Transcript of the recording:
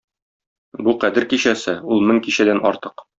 Бу Кадер кичәсе, ул мең кичәдән артык.